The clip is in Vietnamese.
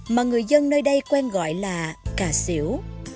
mà người dân nơi đây quen gọi là cà xỉu